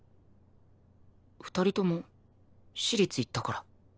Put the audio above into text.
２人とも私立行ったから。